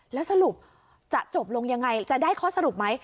แล้วสรุปจะจบลงยังไงจะได้ข้อสรุปไหม